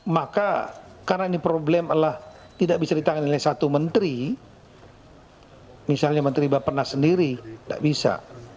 maka karena ini problem adalah tidak bisa ditangani oleh satu menteri misalnya menteri bapak nas sendiri tidak bisa